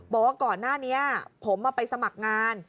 บอกว่าก่อนหน้านี้ผมไปสมัครงาน